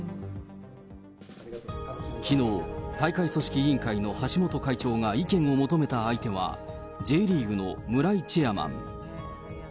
きのう、大会組織委員会の橋本会長が意見を求めた相手は、Ｊリーグの村井チェアマン。